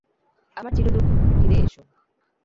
আমার চিরদুখ, ফিরে এসো!